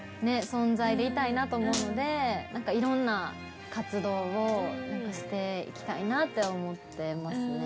存在でいたいなと思うのでなんか色んな活動をしていきたいなって思ってますね。